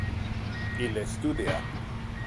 Ille studia.